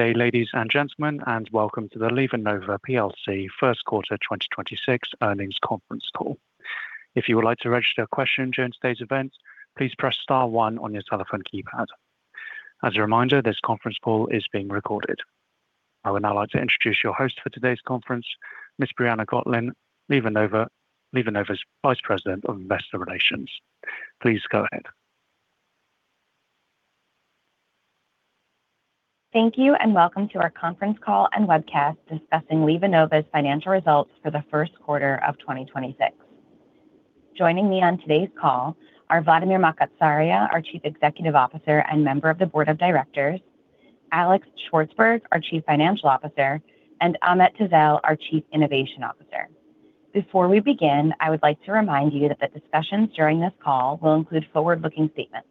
Good day, ladies and gentlemen, welcome to the LivaNova PLC first quarter 2026 earnings conference call. If you would like to register a question during today's event, please press star one on your telephone keypad. As a reminder, this conference call is being recorded. I would now like to introduce your host for today's conference, Ms. Briana Gotlin, LivaNova's Vice President of Investor Relations. Please go ahead. Thank you. Welcome to our conference call and webcast discussing LivaNova's financial results for the first quarter of 2026. Joining me on today's call are Vladimir Makatsaria, our Chief Executive Officer and member of the Board of Directors, Alex Shvartsburg, our Chief Financial Officer, and Ahmet Tezel, our Chief Innovation Officer. Before we begin, I would like to remind you that the discussions during this call will include forward-looking statements.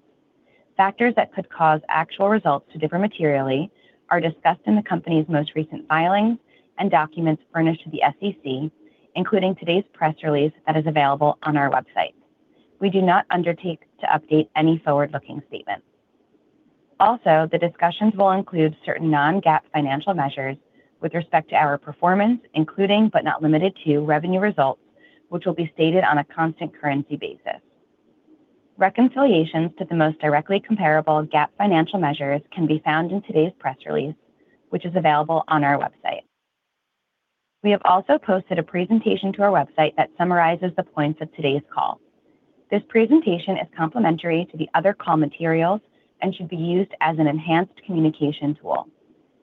Factors that could cause actual results to differ materially are discussed in the company's most recent filings and documents furnished to the SEC, including today's press release that is available on our website. We do not undertake to update any forward-looking statements. Also, the discussions will include certain non-GAAP financial measures with respect to our performance, including, but not limited to, revenue results, which will be stated on a constant currency basis. Reconciliations to the most directly comparable GAAP financial measures can be found in today's press release, which is available on our website. We have also posted a presentation to our website that summarizes the points of today's call. This presentation is complementary to the other call materials and should be used as an enhanced communication tool.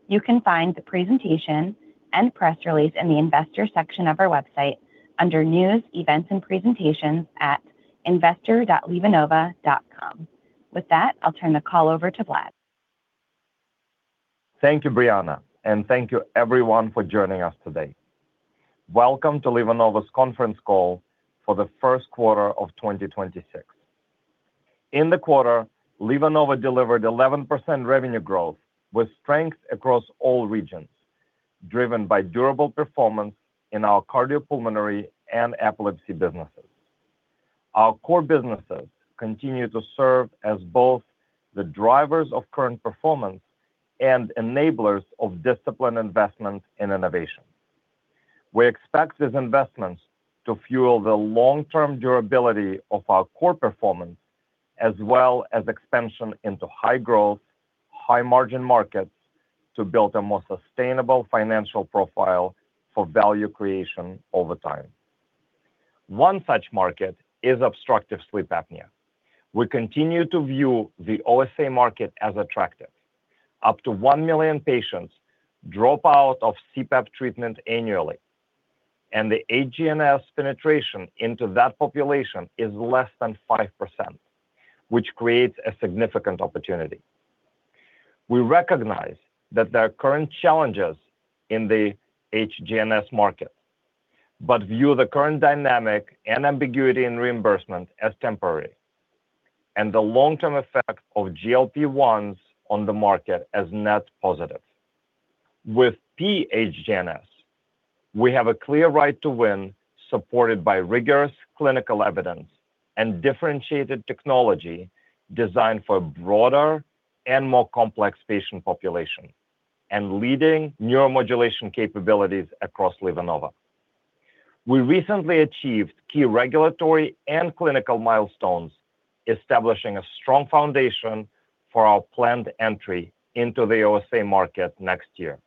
You can find the presentation and press release in the investor section of our website under News, Events, and Presentations at investor.livanova.com. With that, I'll turn the call over to Vlad. Thank you, Briana, and thank you everyone for joining us today. Welcome to LivaNova's conference call for the first quarter of 2026. In the quarter, LivaNova delivered 11% revenue growth with strength across all regions, driven by durable performance in our cardiopulmonary and epilepsy businesses. Our core businesses continue to serve as both the drivers of current performance and enablers of disciplined investment in innovation. We expect these investments to fuel the long-term durability of our core performance, as well as expansion into high-growth, high-margin markets to build a more sustainable financial profile for value creation over time. One such market is Obstructive Sleep Apnea. We continue to view the OSA market as attractive. Up to 1 million patients drop out of CPAP treatment annually, and the HGNS penetration into that population is less than 5%, which creates a significant opportunity. We recognize that there are current challenges in the HGNS market, view the current dynamic and ambiguity in reimbursement as temporary, and the long-term effect of GLP-1s on the market as net positive. With p-HGNS, we have a clear right to win, supported by rigorous clinical evidence and differentiated technology designed for broader and more complex patient population and leading neuromodulation capabilities across LivaNova. We recently achieved key regulatory and clinical milestones, establishing a strong foundation for our planned entry into the OSA market next year.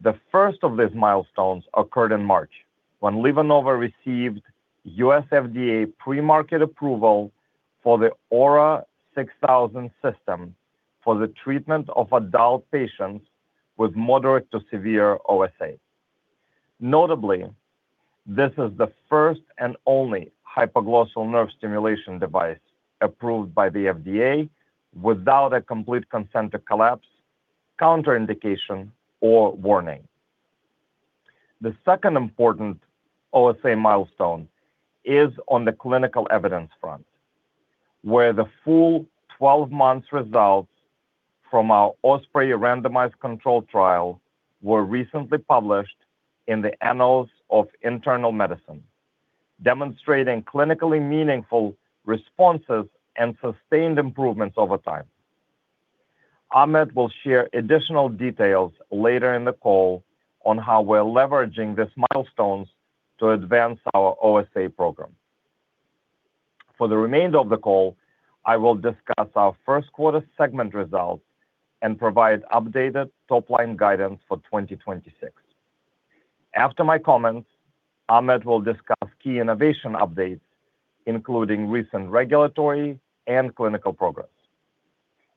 The first of these milestones occurred in March, when LivaNova received U.S. FDA pre-market approval for the aura6000 System for the treatment of adult patients with moderate to severe OSA. Notably, this is the first and only hypoglossal nerve stimulation device approved by the FDA without a complete concentric collapse, contraindication, or warning. The second important OSA milestone is on the clinical evidence front, where the full 12 months results from our OSPREY randomized controlled trial were recently published in the Annals of Internal Medicine, demonstrating clinically meaningful responses and sustained improvements over time. Ahmet will share additional details later in the call on how we're leveraging these milestones to advance our OSA program. For the remainder of the call, I will discuss our first quarter segment results and provide updated top-line guidance for 2026. After my comments, Ahmet will discuss key innovation updates, including recent regulatory and clinical progress.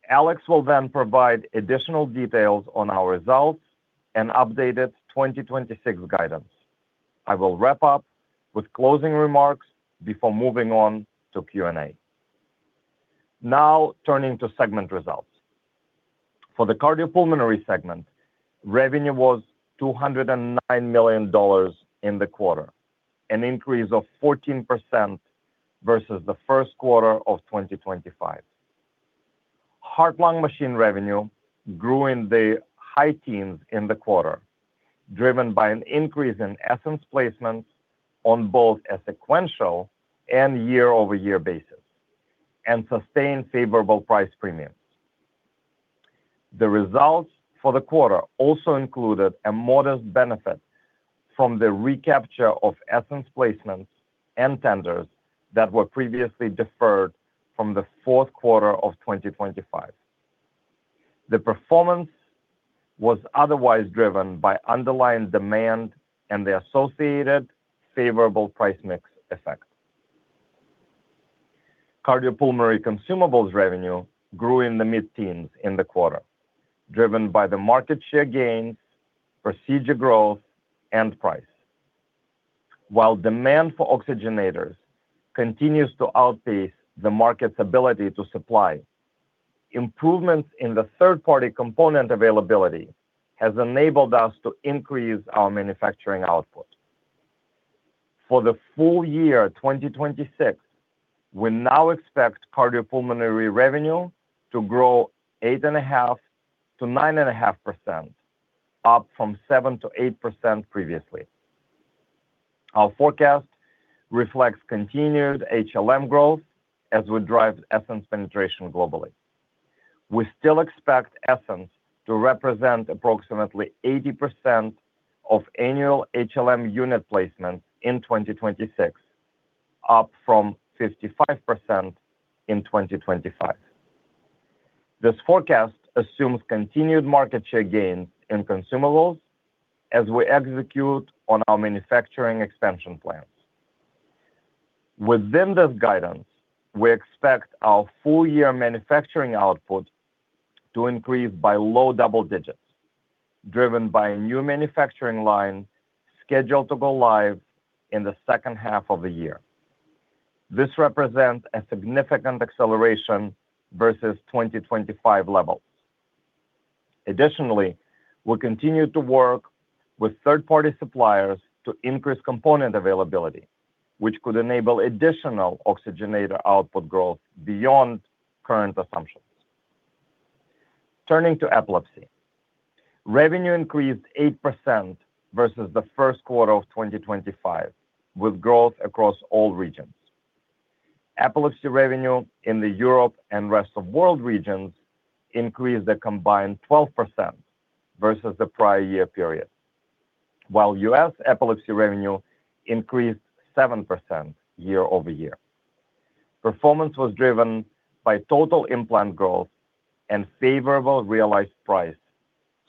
Alex will then provide additional details on our results and updated 2026 guidance. I will wrap up with closing remarks before moving on to Q&A. Now turning to segment results. For the cardiopulmonary segment, revenue was $209 million in the quarter, an increase of 14% versus the first quarter of 2025. Heart-Lung Machine revenue grew in the high teens in the quarter, driven by an increase in Essenz placements on both a sequential and year-over-year basis. Sustained favorable price premiums. The results for the quarter also included a modest benefit from the recapture of Essenz placements and tenders that were previously deferred from the fourth quarter of 2025. The performance was otherwise driven by underlying demand and the associated favorable price mix effect. Cardiopulmonary consumables revenue grew in the mid-teens in the quarter, driven by the market share gains, procedure growth, and price. While demand for oxygenators continues to outpace the market's ability to supply, improvements in the third-party component availability has enabled us to increase our manufacturing output. For the full year 2026, we now expect Cardiopulmonary revenue to grow 8.5%-9.5%, up from 7%-8% previously. Our forecast reflects continued HLM growth as we drive Essenz penetration globally. We still expect Essenz to represent approximately 80% of annual HLM unit placements in 2026, up from 55% in 2025. This forecast assumes continued market share gains in consumables as we execute on our manufacturing expansion plans. Within this guidance, we expect our full year manufacturing output to increase by low double digits, driven by a new manufacturing line scheduled to go live in the second half of the year. This represents a significant acceleration versus 2025 levels. Additionally, we'll continue to work with third-party suppliers to increase component availability, which could enable additional oxygenator output growth beyond current assumptions. Turning to epilepsy. Revenue increased 8% versus the first quarter of 2025, with growth across all regions. Epilepsy revenue in the Europe and rest of world regions increased a combined 12% versus the prior year period. While U.S. epilepsy revenue increased 7% year-over-year. Performance was driven by total implant growth and favorable realized price,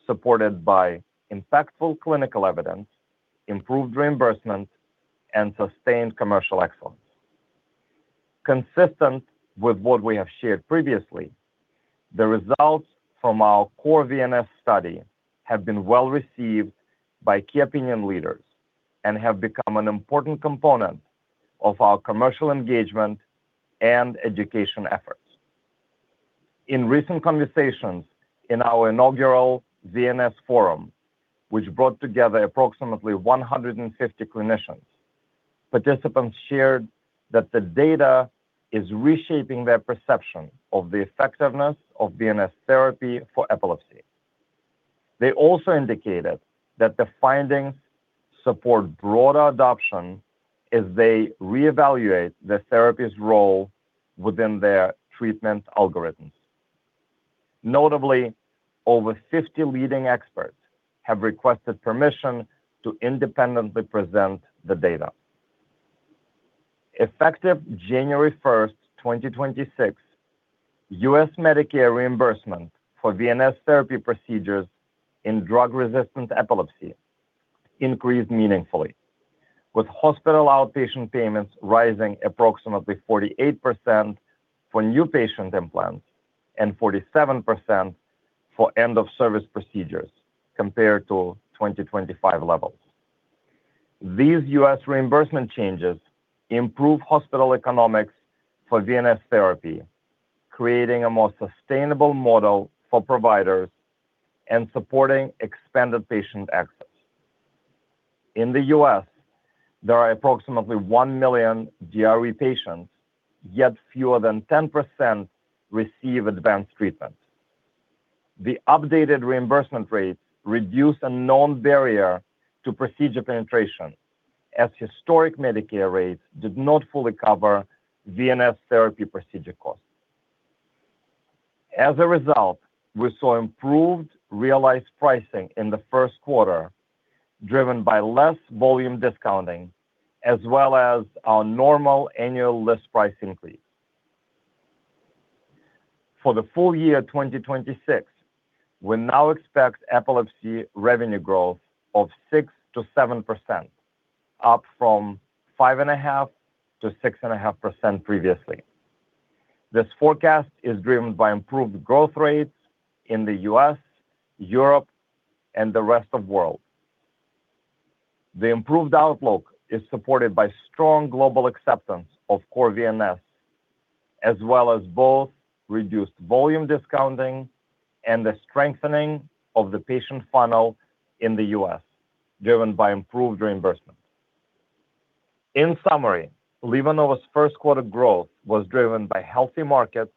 supported by impactful clinical evidence, improved reimbursements, and sustained commercial excellence. Consistent with what we have shared previously, the results from our CORE-VNS study have been well-received by key opinion leaders and have become an important component of our commercial engagement and education efforts. In recent conversations in our inaugural VNS Forum, which brought together approximately 150 clinicians, participants shared that the data is reshaping their perception of the effectiveness of VNS Therapy for epilepsy. They also indicated that the findings support broader adoption as they reevaluate the therapy's role within their treatment algorithms. Notably, over 50 leading experts have requested permission to independently present the data. Effective January 1, 2026, U.S. Medicare reimbursement for VNS Therapy procedures in drug-resistant epilepsy increased meaningfully, with hospital outpatient payments rising approximately 48% for new patient implants and 47% for end-of-service procedures compared to 2025 levels. These U.S. reimbursement changes improve hospital economics for VNS Therapy, creating a more sustainable model for providers and supporting expanded patient access. In the U.S., there are approximately 1 million DRE patients, yet fewer than 10% receive advanced treatment. The updated reimbursement rates reduce a known barrier to procedure penetration, as historic Medicare rates did not fully cover VNS Therapy procedure costs. As a result, we saw improved realized pricing in the first quarter, driven by less volume discounting as well as our normal annual list price increase. For the full year 2026, we now expect epilepsy revenue growth of 6%-7%, up from 5.5%-6.5% previously. This forecast is driven by improved growth rates in the U.S., Europe, and the rest of world. The improved outlook is supported by strong global acceptance of CORE-VNS, as well as both reduced volume discounting and the strengthening of the patient funnel in the U.S., driven by improved reimbursement. In summary, LivaNova's first quarter growth was driven by healthy markets,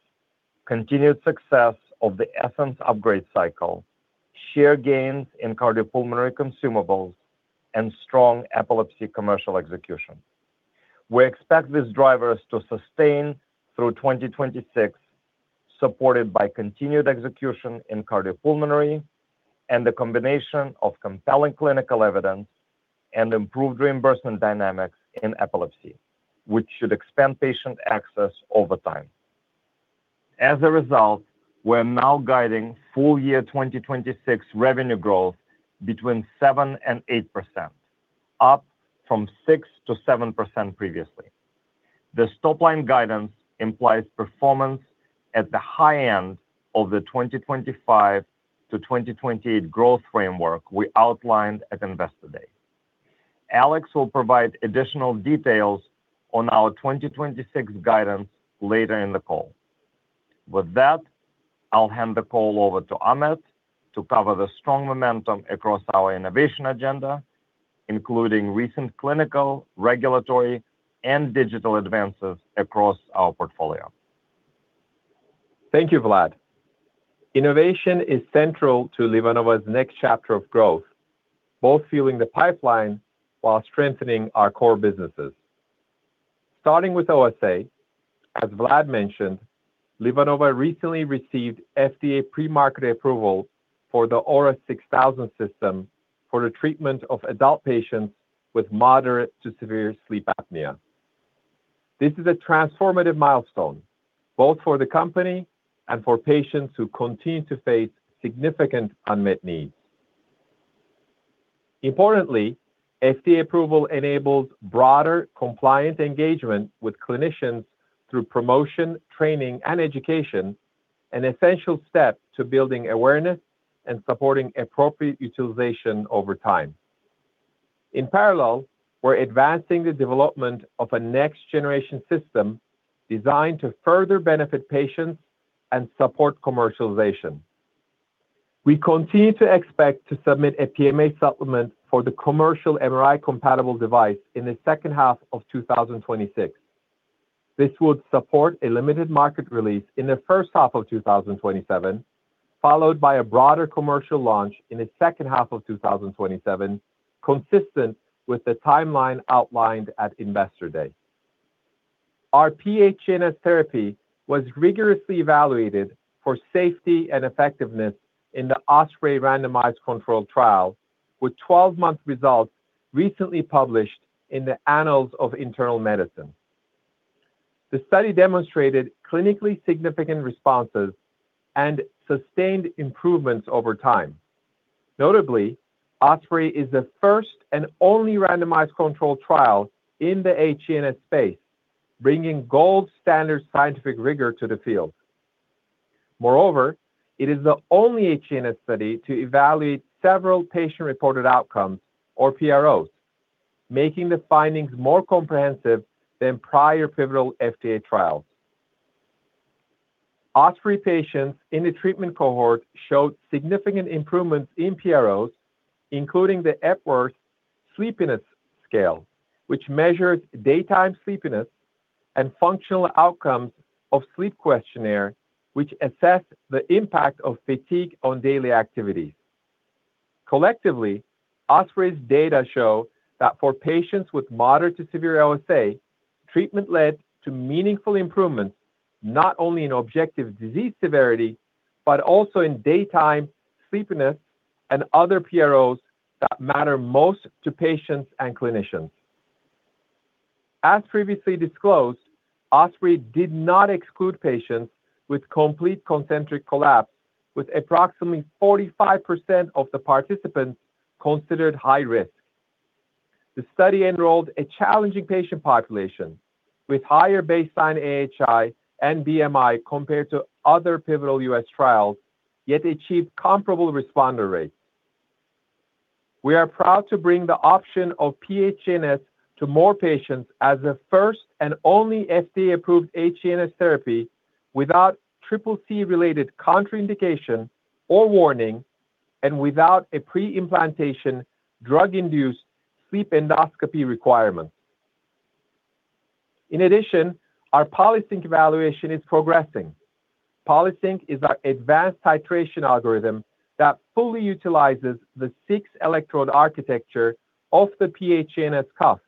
continued success of the Essenz upgrade cycle, share gains in cardiopulmonary consumables and strong epilepsy commercial execution. We expect these drivers to sustain through 2026, supported by continued execution in cardiopulmonary and the combination of compelling clinical evidence and improved reimbursement dynamics in epilepsy, which should expand patient access over time. As a result, we're now guiding full year 2026 revenue growth between 7% and 8%, up from 6%-7% previously. This top line guidance implies performance at the high end of the 2025 to 2028 growth framework we outlined at Investor Day. Alex will provide additional details on our 2026 guidance later in the call. With that, I'll hand the call over to Ahmet to cover the strong momentum across our innovation agenda, including recent clinical, regulatory, and digital advances across our portfolio. Thank you, Vlad. Innovation is central to LivaNova's next chapter of growth, both fueling the pipeline while strengthening our core businesses. Starting with OSA, as Vlad mentioned, LivaNova recently received FDA pre-market approval for the aura6000 System for the treatment of adult patients with moderate to severe sleep apnea. This is a transformative milestone, both for the company and for patients who continue to face significant unmet needs. Importantly, FDA approval enables broader compliant engagement with clinicians through promotion, training, and education, an essential step to building awareness and supporting appropriate utilization over time. In parallel, we're advancing the development of a next generation system designed to further benefit patients and support commercialization. We continue to expect to submit a PMA supplement for the commercial MRI compatible device in the second half of 2026. This would support a limited market release in the first half of 2027, followed by a broader commercial launch in the second half of 2027, consistent with the timeline outlined at Investor Day. Our p-HGNS therapy was rigorously evaluated for safety and effectiveness in the OSPREY randomized controlled trial, with 12-month results recently published in the Annals of Internal Medicine. The study demonstrated clinically significant responses and sustained improvements over time. Notably, OSPREY is the first and only randomized controlled trial in the HGNS space, bringing gold standard scientific rigor to the field. Moreover, it is the only HGNS study to evaluate several patient-reported outcomes, or PROs, making the findings more comprehensive than prior pivotal FDA trials. OSPREY patients in the treatment cohort showed significant improvements in PROs, including the Epworth Sleepiness Scale, which measures daytime sleepiness and Functional Outcomes of Sleep Questionnaire, which assess the impact of fatigue on daily activities. Collectively, OSPREY's data show that for patients with moderate to severe OSA, treatment led to meaningful improvements, not only in objective disease severity, but also in daytime sleepiness and other PROs that matter most to patients and clinicians. As previously disclosed, OSPREY did not exclude patients with complete concentric collapse, with approximately 45% of the participants considered high risk. The study enrolled a challenging patient population with higher baseline AHI and BMI compared to other pivotal U.S. trials, yet achieved comparable responder rates. We are proud to bring the option of p-HGNS to more patients as the first and only FDA-approved HGNS therapy without CCC-related contraindication or warning and without a pre-implantation drug-induced sleep endoscopy requirement. In addition, our PolySync evaluation is progressing. PolySync is our advanced titration algorithm that fully utilizes the six electrode architecture of the p-HGNS cuff,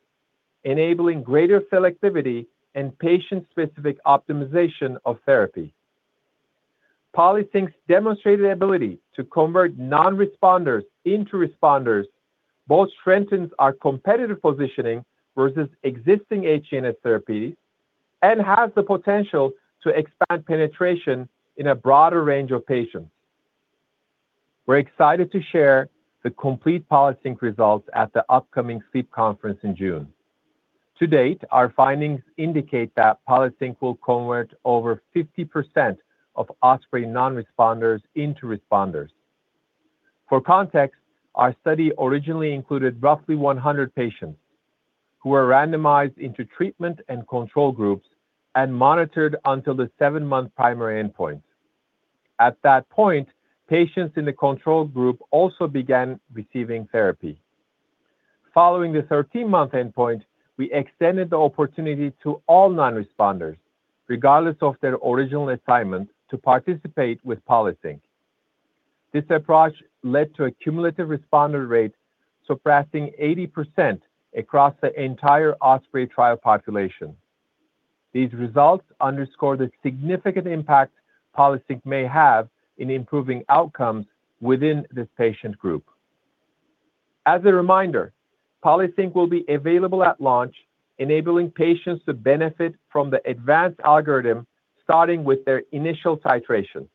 enabling greater selectivity and patient-specific optimization of therapy. PolySync's demonstrated ability to convert non-responders into responders both strengthens our competitive positioning versus existing HGNS therapies and has the potential to expand penetration in a broader range of patients. We're excited to share the complete PolySync results at the upcoming SLEEP Conference in June. To date, our findings indicate that PolySync will convert over 50% of OSPREY non-responders into responders. For context, our study originally included roughly 100 patients who were randomized into treatment and control groups and monitored until the seven month primary endpoint. At that point, patients in the control group also began receiving therapy. Following the 13-month endpoint, we extended the opportunity to all non-responders, regardless of their original assignment, to participate with PolySync. This approach led to a cumulative responder rate surpassing 80% across the entire OSPREY trial population. These results underscore the significant impact PolySync may have in improving outcomes within this patient group. As a reminder, PolySync will be available at launch, enabling patients to benefit from the advanced algorithm starting with their initial titration.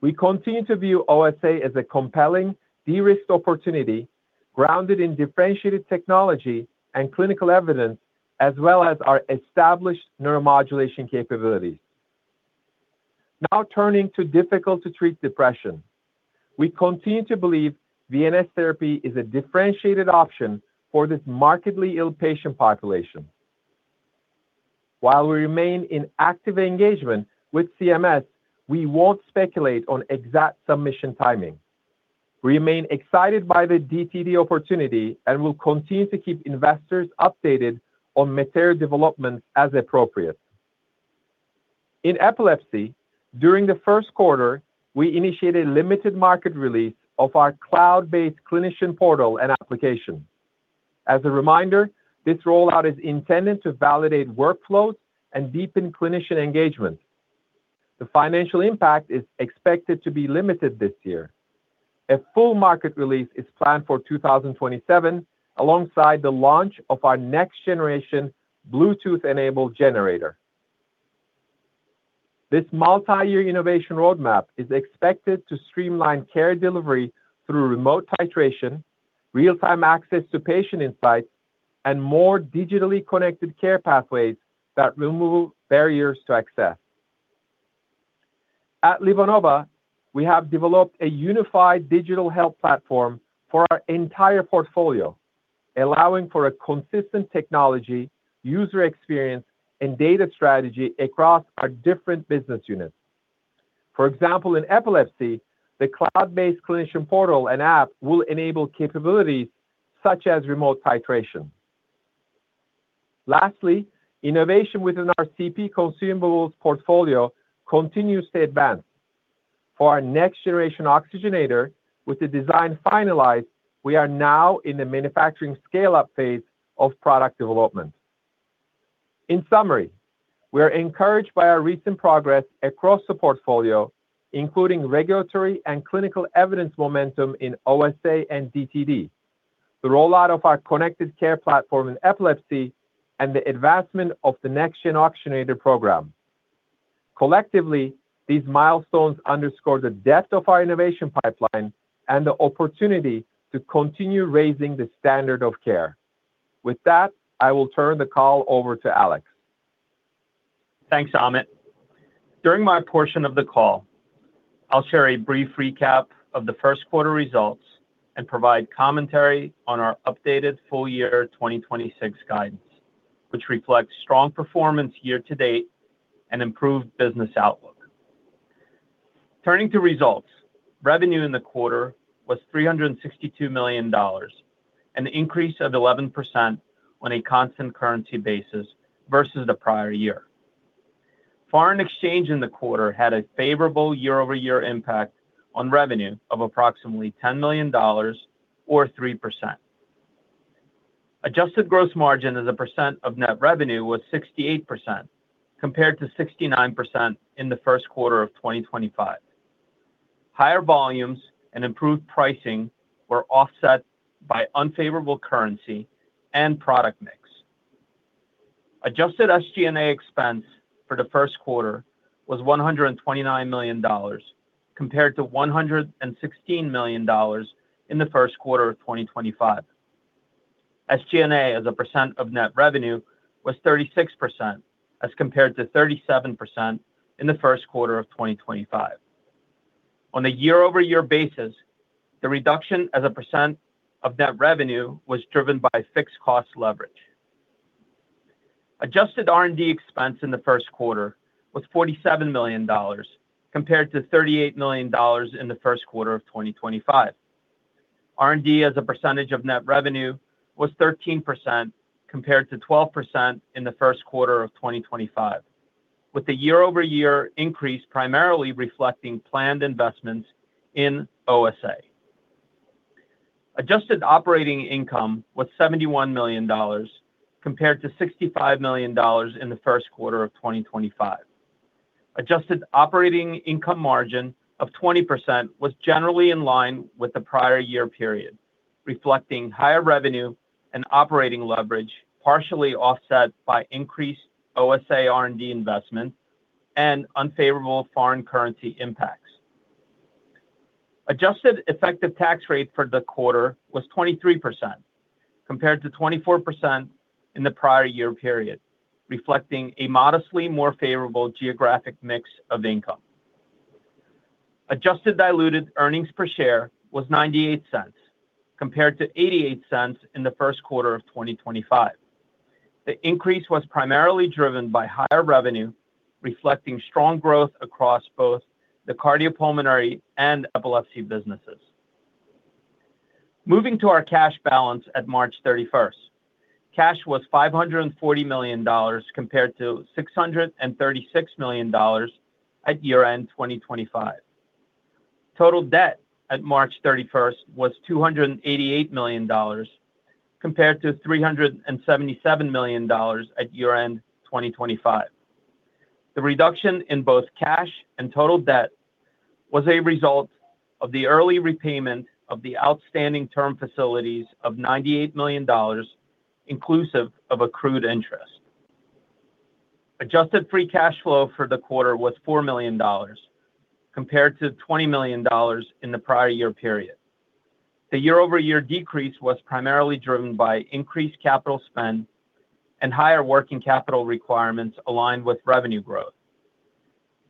We continue to view OSA as a compelling de-risked opportunity grounded in differentiated technology and clinical evidence, as well as our established neuromodulation capabilities. Turning to difficult to treat depression. We continue to believe VNS Therapy is a differentiated option for this markedly ill patient population. While we remain in active engagement with CMS, we won't speculate on exact submission timing. We remain excited by the DTD opportunity and will continue to keep investors updated on material developments as appropriate. In epilepsy, during the first quarter, we initiated limited market release of our cloud-based clinician portal and application. As a reminder, this rollout is intended to validate workflows and deepen clinician engagement. The financial impact is expected to be limited this year. A full market release is planned for 2027 alongside the launch of our next generation Bluetooth-enabled generator. This multi-year innovation roadmap is expected to streamline care delivery through remote titration, real-time access to patient insights, and more digitally connected care pathways that remove barriers to access. At LivaNova, we have developed a unified digital health platform for our entire portfolio, allowing for a consistent technology, user experience, and data strategy across our different business units. For example, in epilepsy, the cloud-based clinician portal and app will enable capabilities such as remote titration. Innovation within our CP consumables portfolio continues to advance. Our next generation oxygenator, with the design finalized, we are now in the manufacturing scale-up phase of product development. We are encouraged by our recent progress across the portfolio, including regulatory and clinical evidence momentum in OSA and DTD, the rollout of our connected care platform in epilepsy, and the advancement of the next gen oxygenator program. Collectively, these milestones underscore the depth of our innovation pipeline and the opportunity to continue raising the standard of care. I will turn the call over to Alex. Thanks, Ahmet. During my portion of the call, I'll share a brief recap of the first quarter results and provide commentary on our updated full year 2026 guidance, which reflects strong performance year-to-date and improved business outlook. Turning to results. Revenue in the quarter was $362 million, an increase of 11% on a constant currency basis versus the prior year. Foreign exchange in the quarter had a favorable year-over-year impact on revenue of approximately $10 million or 3%. Adjusted gross margin as a percent of net revenue was 68%, compared to 69% in the first quarter of 2025. Higher volumes and improved pricing were offset by unfavorable currency and product mix. Adjusted SG&A expense for the first quarter was $129 million, compared to $116 million in the first quarter of 2025. SG&A as a percent of net revenue was 36%, as compared to 37% in the first quarter of 2025. On a year-over-year basis, the reduction as a percent of net revenue was driven by fixed cost leverage. Adjusted R&D expense in the first quarter was $47 million, compared to $38 million in the first quarter of 2025. R&D as a percentage of net revenue was 13%, compared to 12% in the first quarter of 2025, with the year-over-year increase primarily reflecting planned investments in OSA. Adjusted operating income was $71 million, compared to $65 million in the first quarter of 2025. Adjusted operating income margin of 20% was generally in line with the prior year period, reflecting higher revenue and operating leverage, partially offset by increased OSA R&D investment and unfavorable foreign currency impacts. Adjusted effective tax rate for the quarter was 23%, compared to 24% in the prior year period, reflecting a modestly more favorable geographic mix of income. Adjusted diluted earnings per share was $0.98, compared to $0.88 in the first quarter of 2025. The increase was primarily driven by higher revenue, reflecting strong growth across both the cardiopulmonary and epilepsy businesses. Moving to our cash balance at March 31st. Cash was $540 million compared to $636 million at year-end 2025. Total debt at March 31st was $288 million compared to $377 million at year-end 2025. The reduction in both cash and total debt was a result of the early repayment of the outstanding term facilities of $98 million, inclusive of accrued interest. Adjusted free cash flow for the quarter was $4 million compared to $20 million in the prior-year period. The year-over-year decrease was primarily driven by increased capital spend and higher working capital requirements aligned with revenue growth.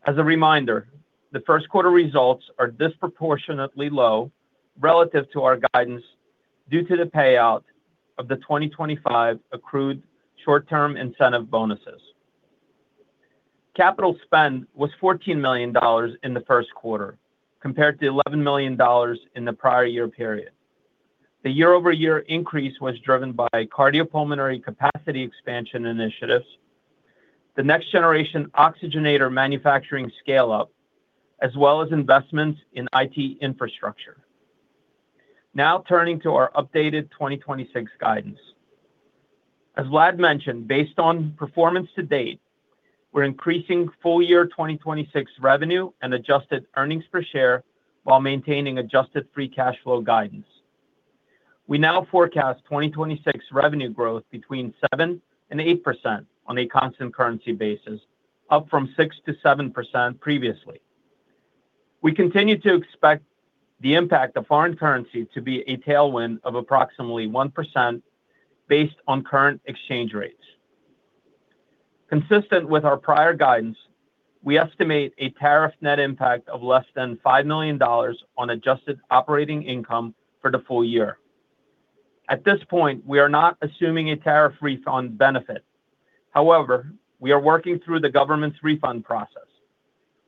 As a reminder, the first quarter results are disproportionately low relative to our guidance due to the payout of the 2025 accrued short-term incentive bonuses. Capital spend was $14 million in the first quarter, compared to $11 million in the prior-year period. The year-over-year increase was driven by cardiopulmonary capacity expansion initiatives, the next generation oxygenator manufacturing scale-up, as well as investments in IT infrastructure. Turning to our updated 2026 guidance. As Vlad mentioned, based on performance to date, we're increasing full year 2026 revenue and adjusted earnings per share while maintaining adjusted free cash flow guidance. We now forecast 2026 revenue growth between 7%-8% on a constant currency basis, up from 6%-7% previously. We continue to expect the impact of foreign currency to be a tailwind of approximately 1% based on current exchange rates. Consistent with our prior guidance, we estimate a tariff net impact of less than $5 million on adjusted operating income for the full year. At this point, we are not assuming a tariff refund benefit. We are working through the government's refund process.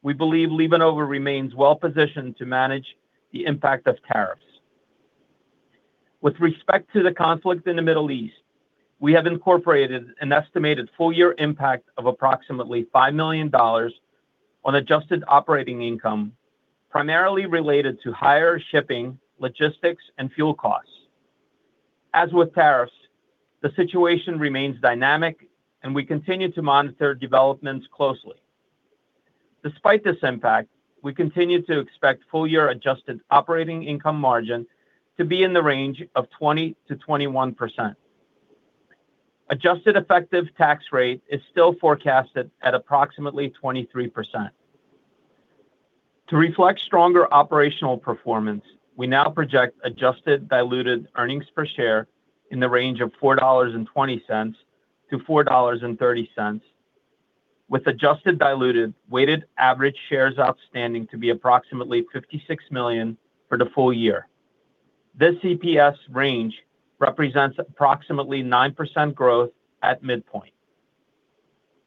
We believe LivaNova remains well-positioned to manage the impact of tariffs. With respect to the conflict in the Middle East, we have incorporated an estimated full year impact of approximately $5 million on adjusted operating income, primarily related to higher shipping, logistics, and fuel costs. As with tariffs, the situation remains dynamic and we continue to monitor developments closely. Despite this impact, we continue to expect full year adjusted operating income margin to be in the range of 20%-21%. Adjusted effective tax rate is still forecasted at approximately 23%. To reflect stronger operational performance, we now project adjusted diluted earnings per share in the range of $4.20-$4.30, with adjusted diluted weighted average shares outstanding to be approximately $56 million for the full year. This EPS range represents approximately 9% growth at midpoint.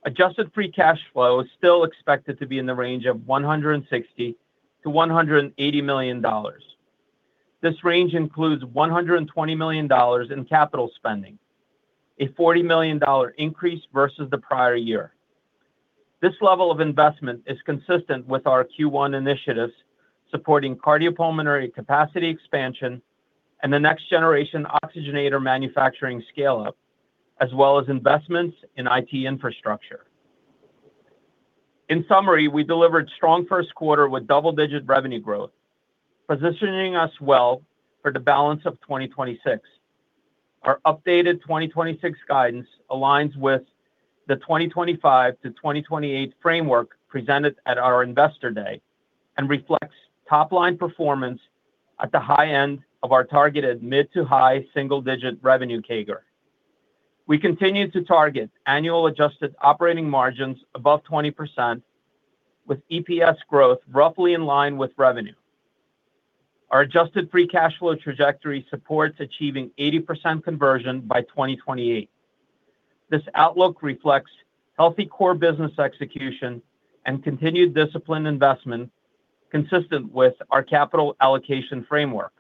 Adjusted free cash flow is still expected to be in the range of $160 million-$180 million. This range includes $120 million in capital spending, a $40 million increase versus the prior year. This level of investment is consistent with our Q1 initiatives, supporting cardiopulmonary capacity expansion and the next-generation oxygenator manufacturing scale-up, as well as investments in IT infrastructure. In summary, we delivered strong first quarter with double-digit revenue growth, positioning us well for the balance of 2026. Our updated 2026 guidance aligns with the 2025-2028 framework presented at our Investor Day and reflects top-line performance at the high end of our targeted mid to high single-digit revenue CAGR. We continue to target annual adjusted operating margins above 20%, with EPS growth roughly in line with revenue. Our adjusted free cash flow trajectory supports achieving 80% conversion by 2028. This outlook reflects healthy core business execution and continued disciplined investment consistent with our capital allocation framework.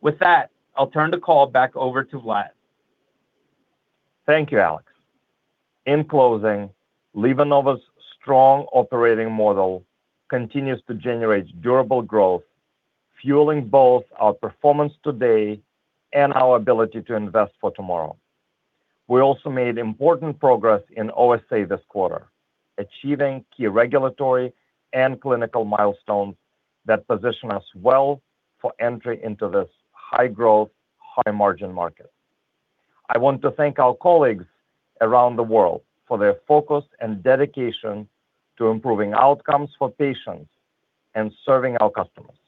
With that, I'll turn the call back over to Vlad. Thank you, Alex. In closing, LivaNova's strong operating model continues to generate durable growth, fueling both our performance today and our ability to invest for tomorrow. We also made important progress in OSA this quarter, achieving key regulatory and clinical milestones that position us well for entry into this high-growth, high-margin market. I want to thank our colleagues around the world for their focus and dedication to improving outcomes for patients and serving our customers.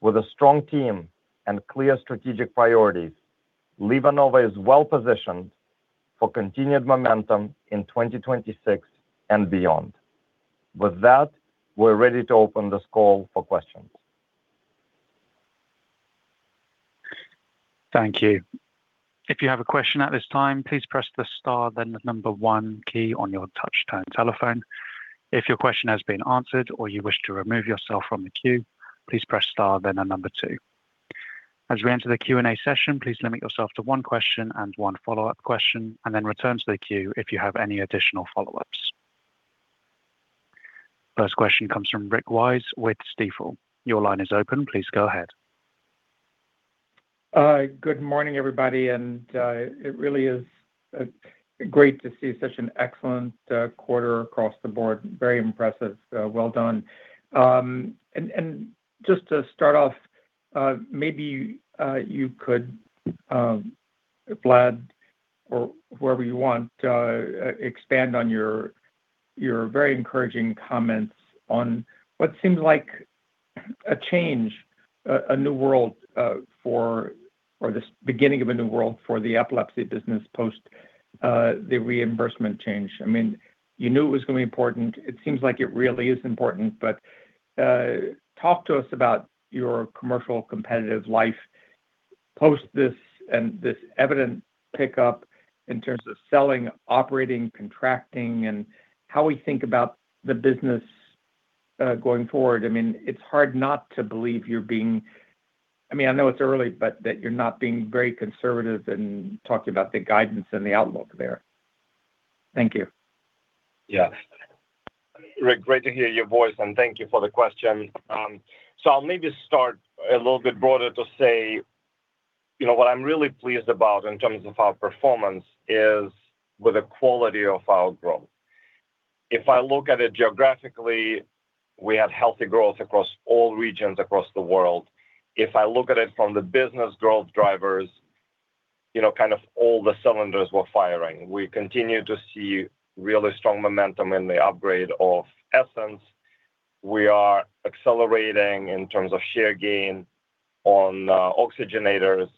With a strong team and clear strategic priorities, LivaNova is well-positioned for continued momentum in 2026 and beyond. With that, we're ready to open this call for questions. Thank you. If you have a question at this time, please press the star, then the number one key on your touch tone telephone. If your question has been answered or you wish to remove yourself from the queue, please press star then and number two. As we enter the Q&A session, please limit yourself to one question and one follow-up question, and then return to the queue if you have any additional follow-ups. First question comes from Rick Wise with Stifel. Your line is open. Please go ahead. Good morning, everybody, and it really is great to see such an excellent quarter across the board. Very impressive. Well done. Just to start off, maybe you could, Vlad or whoever you want, expand on your very encouraging comments on what seems like a change, a new world for or this beginning of a new world for the epilepsy business post the reimbursement change. I mean, you knew it was gonna be important. It seems like it really is important, talk to us about your commercial competitive life post this and this evident pickup in terms of selling, operating, contracting, and how we think about the business going forward. I mean, it's hard not to believe I mean, I know it's early, but that you're not being very conservative in talking about the guidance and the outlook there. Thank you. Yeah. Rick, great to hear your voice, and thank you for the question. I'll maybe start a little bit broader to say, you know, what I'm really pleased about in terms of our performance is with the quality of our growth. If I look at it geographically, we have healthy growth across all regions across the world. If I look at it from the business growth drivers, you know, kind of all the cylinders were firing. We continue to see really strong momentum in the upgrade of Essenz. We are accelerating in terms of share gain on oxygenators,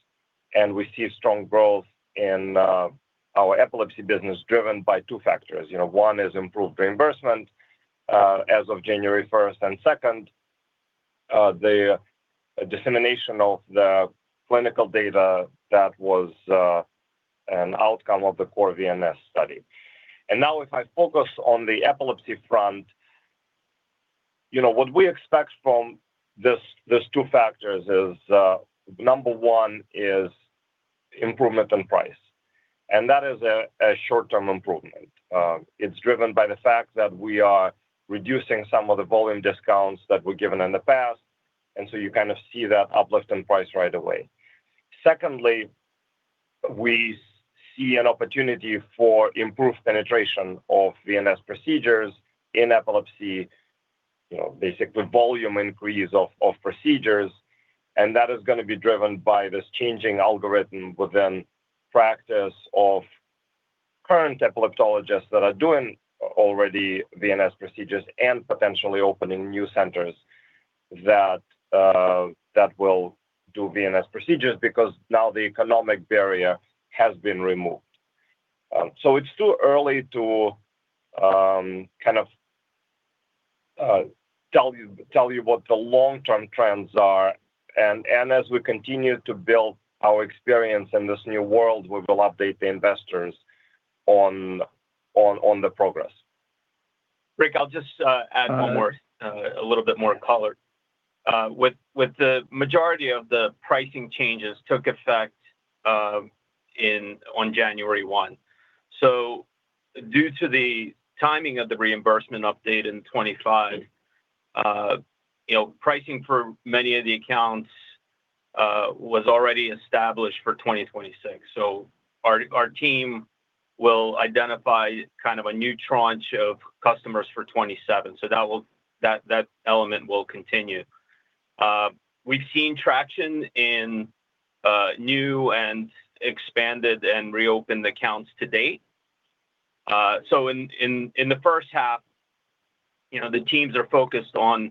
and we see strong growth in our epilepsy business, driven by two factors. You know, one is improved reimbursement as of January 1st. Second, the dissemination of the clinical data that was an outcome of the CORE-VNS study. Now if I focus on the epilepsy front, you know, what we expect from these two factors is number one is improvement in price, and that is a short-term improvement. It's driven by the fact that we are reducing some of the volume discounts that were given in the past. You kind of see that uplift in price right away. Secondly, we see an opportunity for improved penetration of VNS procedures in epilepsy, you know, basically volume increase of procedures. That is gonna be driven by this changing algorithm within practice of current epileptologists that are doing already VNS procedures and potentially opening new centers that will do VNS procedures because now the economic barrier has been removed. So it's too early to kind of tell you what the long-term trends are. As we continue to build our experience in this new world, we will update the investors on the progress. Rick, I'll just add a little bit more color. With the majority of the pricing changes took effect on January 1. Due to the timing of the reimbursement update in 2025, you know, pricing for many of the accounts was already established for 2026. Our team will identify kind of a new tranche of customers for 2027. That element will continue. We've seen traction in new and expanded and reopened accounts to date. In the first half, you know, the teams are focused on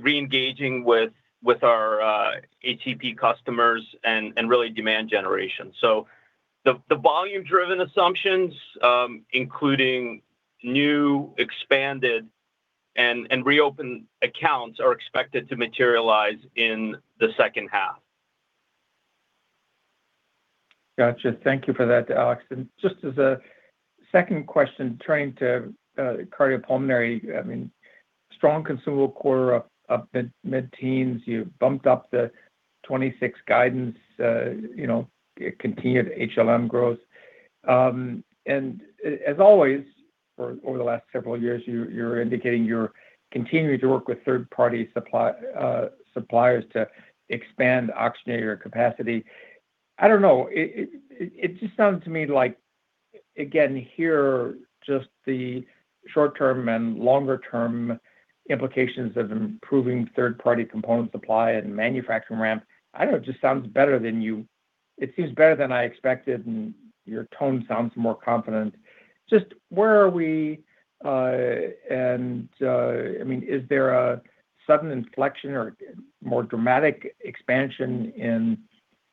re-engaging with our ATP customers and really demand generation. The volume-driven assumptions, including new, expanded, and reopened accounts, are expected to materialize in the second half. Gotcha. Thank you for that, Alex. Just as a second question, turning to cardiopulmonary. Strong consumable quarter of mid-teens. You've bumped up the 2026 guidance, you know, continued HLM growth. As always, for over the last several years, you're indicating you're continuing to work with third-party supply suppliers to expand oxygenator capacity. I don't know, it just sounds to me like, again, here, just the short-term and longer-term implications of improving third-party component supply and manufacturing ramp. I don't know, it seems better than I expected, and your tone sounds more confident. Where are we? I mean, is there a sudden inflection or more dramatic expansion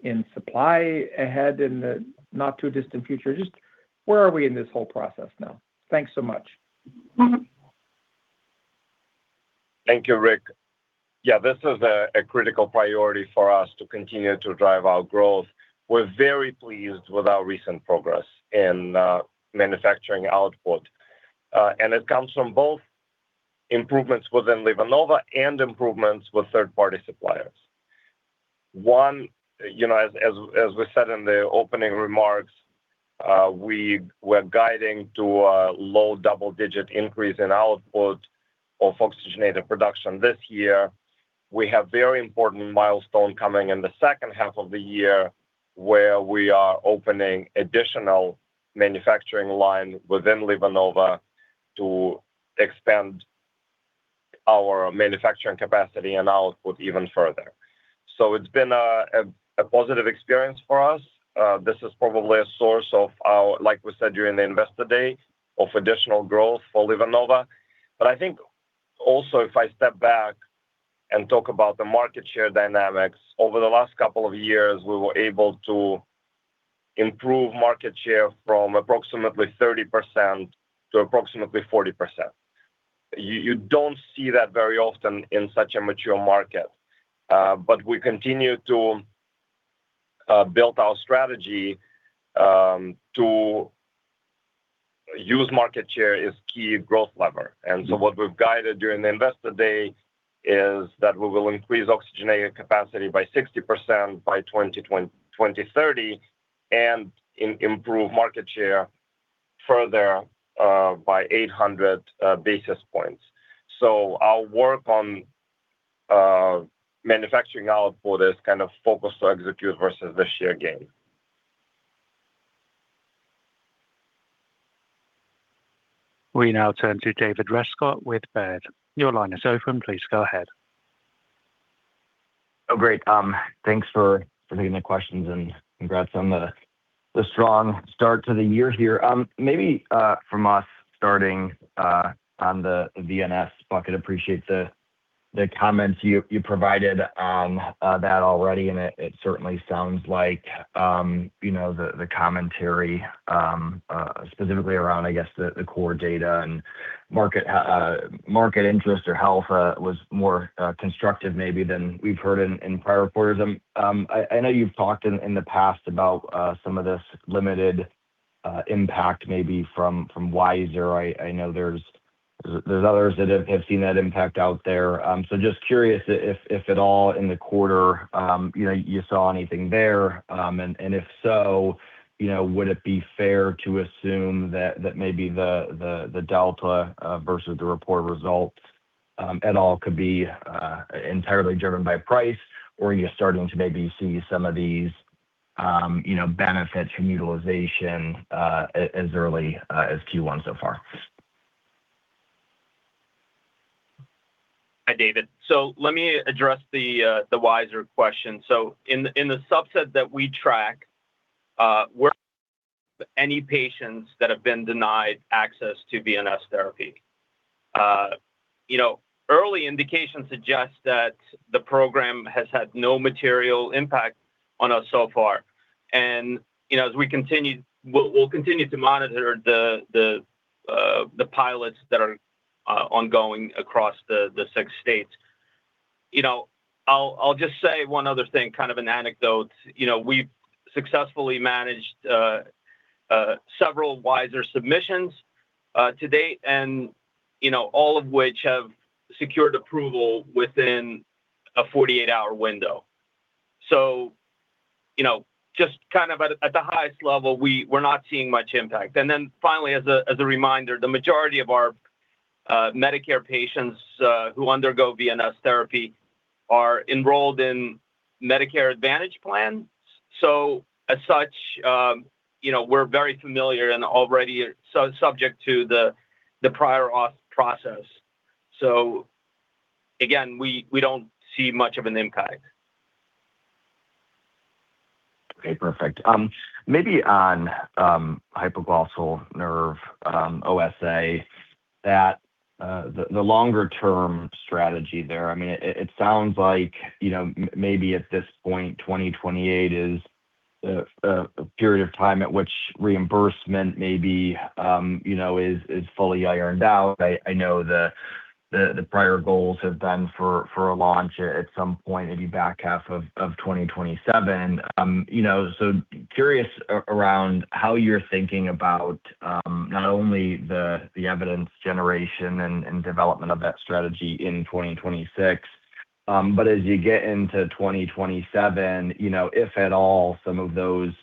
in supply ahead in the not too distant future? Just where are we in this whole process now? Thanks so much. Thank you, Rick. Yeah, this is a critical priority for us to continue to drive our growth. We're very pleased with our recent progress in manufacturing output. It comes from both improvements within LivaNova and improvements with third-party suppliers. You know, as we said in the opening remarks, we were guiding to a low double-digit increase in output of oxygenated production this year. We have very important milestone coming in the second half of the year, where we are opening additional manufacturing line within LivaNova to expand our manufacturing capacity and output even further. It's been a positive experience for us. This is probably a source, like we said during the Investor Day, of additional growth for LivaNova. I think also if I step back and talk about the market share dynamics, over the last couple of years, we were able to improve market share from approximately 30% to approximately 40%. You don't see that very often in such a mature market. We continue to build our strategy to use market share as key growth lever. What we've guided during the Investor Day is that we will increase oxygenated capacity by 60% by 2030, and improve market share further by 800 basis points. Our work on manufacturing output is kind of focused to execute versus the share gain. We now turn to David Rescott with Baird. Your line is open. Please go ahead. Great. Thanks for taking the questions, congrats on the strong start to the year here. Maybe from us starting on the VNS bucket, appreciate the comments you provided on that already, it certainly sounds like, you know, the commentary specifically around, I guess, the core data and market interest or health was more constructive maybe than we've heard in prior quarters. I know you've talked in the past about some of this limited impact maybe from Wisr. I know there's others that have seen that impact out there. Just curious if at all in the quarter, you know, you saw anything there. If so, would it be fair to assume that maybe the delta versus the reported results at all could be entirely driven by price? Or are you starting to maybe see some of these benefits from utilization as early as Q1 so far? Hi, David. Let me address the Wisr question. In the subset that we track, we're any patients that have been denied access to VNS Therapy. You know, early indications suggest that the program has had no material impact on us so far. You know, we'll continue to monitor the pilots that are ongoing across the six states. You know, I'll just say one other thing, kind of an anecdote. You know, we've successfully managed several Wisr submissions to date, you know, all of which have secured approval within a 48-hour window. You know, just kind of at the highest level, we're not seeing much impact. Finally, as a reminder, the majority of our Medicare patients who undergo VNS Therapy are enrolled in Medicare Advantage plans. As such, you know, we're very familiar and already subject to the prior auth process. Again, we don't see much of an impact. Okay. Perfect. Maybe on hypoglossal nerve, OSA, that the longer term strategy there. I mean, it sounds like, you know, maybe at this point, 2028 is a period of time at which reimbursement maybe, you know, is fully ironed out. I know the prior goals have been for a launch at some point maybe back half of 2027. You know, so curious around how you're thinking about not only the evidence generation and development of that strategy in 2026. As you get into 2027, you know, if at all some of those,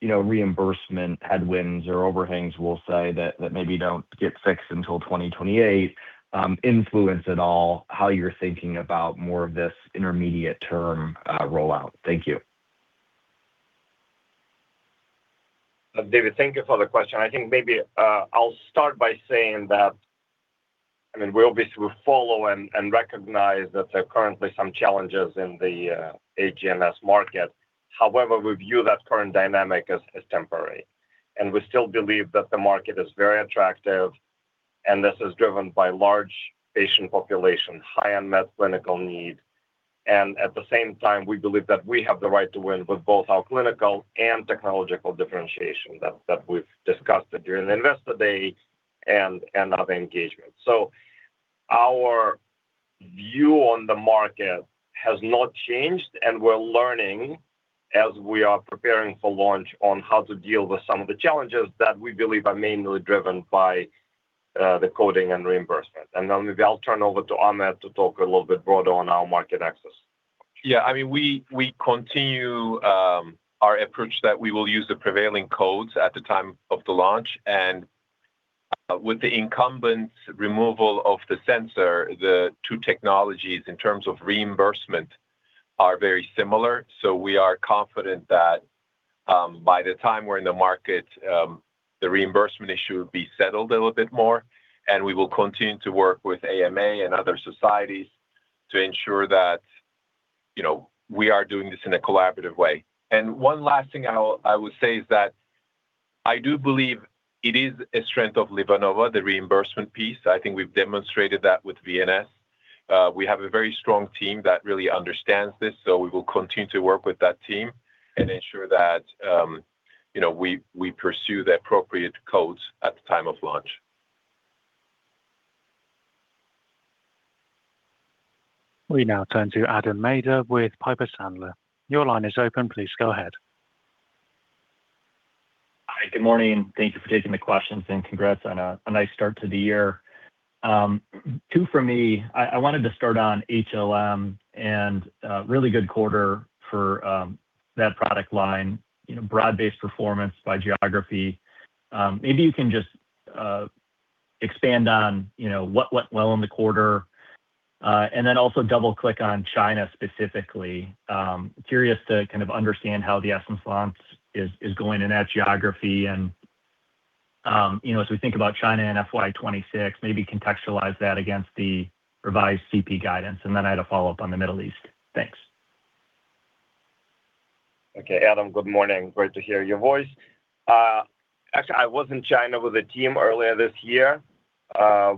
you know, reimbursement headwinds or overhangs, we'll say that maybe don't get fixed until 2028, influence at all how you're thinking about more of this intermediate term rollout. Thank you. David, thank you for the question. I think maybe I'll start by saying that we obviously follow and recognize that there are currently some challenges in the HGNS market. However, we view that current dynamic as temporary. We still believe that the market is very attractive, and this is driven by large patient population, high unmet clinical need. At the same time, we believe that we have the right to win with both our clinical and technological differentiation that we've discussed during Investor Day and other engagements. Our view on the market has not changed, and we're learning as we are preparing for launch on how to deal with some of the challenges that we believe are mainly driven by the coding and reimbursement. Maybe I'll turn over to Ahmet to talk a little bit broader on our market access. Yeah, I mean, we continue our approach that we will use the prevailing codes at the time of the launch. With the incumbent removal of the sensor, the two technologies in terms of reimbursement are very similar. We are confident that by the time we're in the market, the reimbursement issue will be settled a little bit more. We will continue to work with AMA and other societies to ensure that, you know, we are doing this in a collaborative way. One last thing I would say is that I do believe it is a strength of LivaNova, the reimbursement piece. I think we've demonstrated that with VNS. We have a very strong team that really understands this, so we will continue to work with that team and ensure that, you know, we pursue the appropriate codes at the time of launch. We now turn to Adam Maeder with Piper Sandler. Your line is open. Please go ahead. Hi. Good morning. Thank you for taking the questions. Congrats on a nice start to the year. Two for me. I wanted to start on HLM, a really good quarter for that product line, you know, broad-based performance by geography. Maybe you can just expand on, you know, what went well in the quarter. Also double-click on China specifically. Curious to kind of understand how the Essenz launch is going in that geography. You know, as we think about China in FY 2026, maybe contextualize that against the revised CP guidance. I had a follow-up on the Middle East. Thanks. Okay, Adam, good morning. Great to hear your voice. Actually, I was in China with the team earlier this year.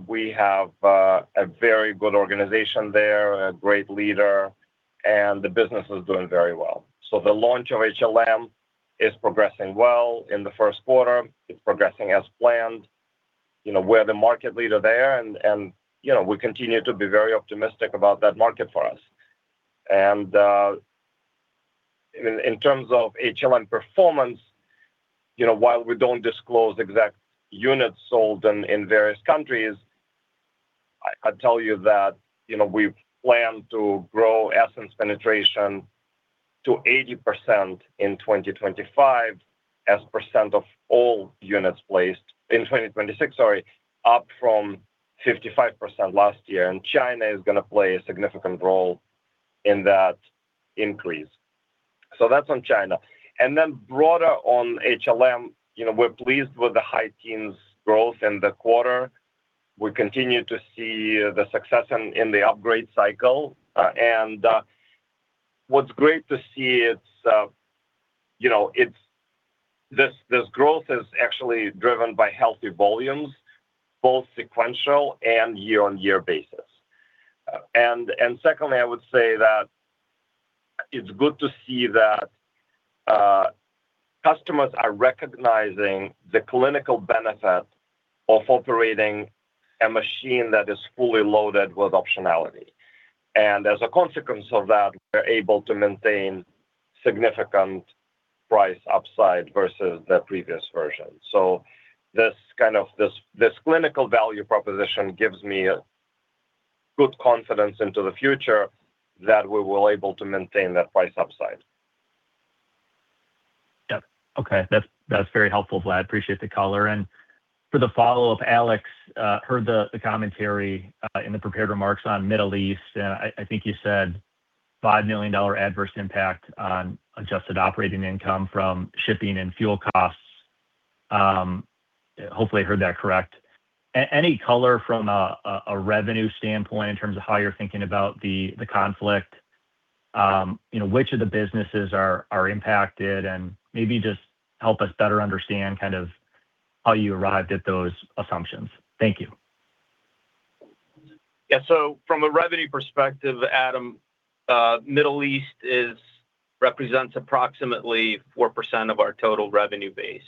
We have a very good organization there, a great leader, and the business is doing very well. The launch of HLM is progressing well in the first quarter. It's progressing as planned. You know, we're the market leader there and, you know, we continue to be very optimistic about that market for us. In terms of HLM performance, you know, while we don't disclose exact units sold in various countries, I'd tell you that, you know, we plan to grow Essenz penetration to 80% in 2025 as percent of all units placed in 2026, sorry, up from 55% last year, and China is gonna play a significant role in that increase. That's on China. Broader on HLM, you know, we're pleased with the high teens growth in the quarter. We continue to see the success in the upgrade cycle. And what's great to see it's, you know, this growth is actually driven by healthy volumes, both sequential and year-on-year basis. And secondly, I would say that it's good to see that customers are recognizing the clinical benefit of operating a machine that is fully loaded with optionality. As a consequence of that, we're able to maintain significant price upside versus the previous version. This kind of, this clinical value proposition gives me good confidence into the future that we will able to maintain that price upside. Yeah. Okay. That's very helpful, Vlad. Appreciate the color. For the follow-up, Alex, heard the commentary in the prepared remarks on Middle East, I think you said $5 million adverse impact on adjusted operating income from shipping and fuel costs. Hopefully I heard that correct. Any color from a revenue standpoint in terms of how you're thinking about the conflict, you know, which of the businesses are impacted, and maybe just help us better understand kind of how you arrived at those assumptions. Thank you. From a revenue perspective, Adam, the Middle East represents approximately 4% of our total revenue base.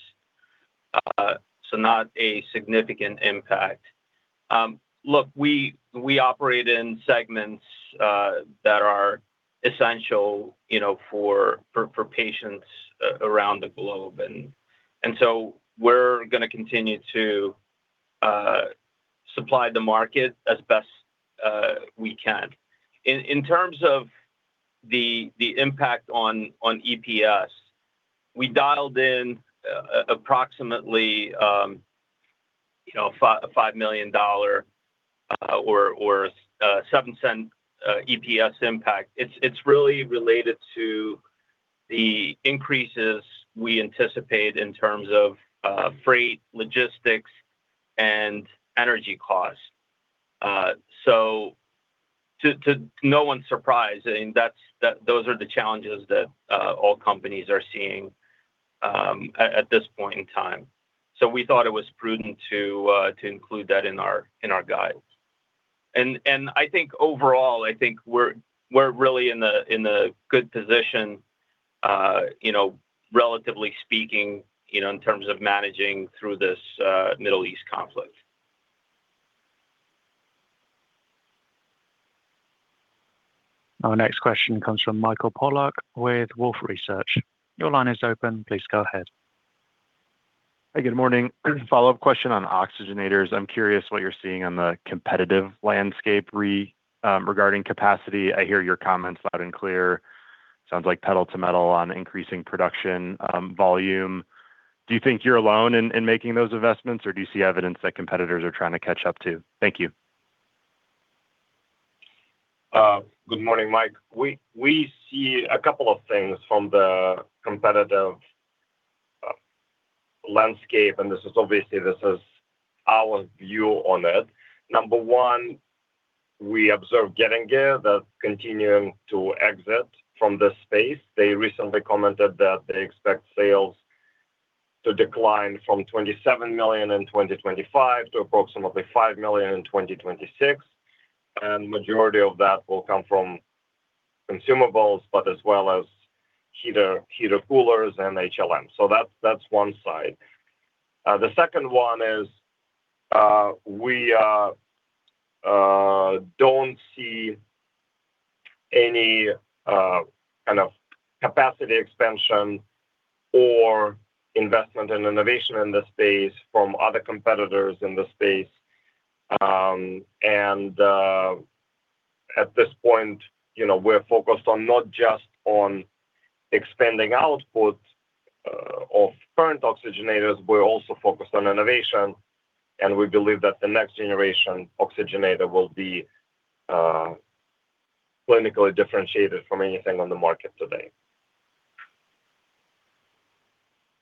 Look, we operate in segments that are essential, you know, for patients around the globe. And so we're going to continue to supply the market as best we can. In terms of the impact on EPS, we dialed in approximately, you know, $5 million or $0.07 EPS impact. It's really related to the increases we anticipate in terms of freight, logistics, and energy costs. No one's surprised, those are the challenges that all companies are seeing. At this point in time. We thought it was prudent to include that in our guide. I think overall, I think we're really in a good position, you know, relatively speaking, you know, in terms of managing through this Middle East conflict. Our next question comes from Michael Polark with Wolfe Research. Your line is open. Please go ahead. Hey, good morning. Follow-up question on oxygenators. I'm curious what you're seeing on the competitive landscape regarding capacity. I hear your comments loud and clear. Sounds like pedal to metal on increasing production volume. Do you think you're alone in making those investments, or do you see evidence that competitors are trying to catch up too? Thank you. Good morning, Mike. We see a couple of things from the competitive landscape, and this is obviously, this is our view on it. Number one, we observe Getinge that's continuing to exit from this space. They recently commented that they expect sales to decline from $27 million in 2025 to approximately $5 million in 2026. Majority of that will come from consumables, but as well as heater-coolers and HLM. That's, that's one side. The second one is, we don't see any kind of capacity expansion or investment and innovation in the space from other competitors in the space. At this point, you know, we're focused on not just on expanding output of current oxygenators. We're also focused on innovation, and we believe that the next generation oxygenator will be, clinically differentiated from anything on the market today.